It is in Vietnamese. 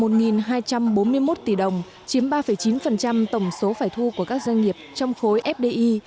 nên một tỷ đồng chiếm ba chín tổng số phải thu của các doanh nghiệp trong khối fdi